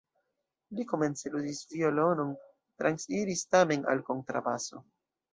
Li komence ludis violonon, transiris tamen al kontrabaso.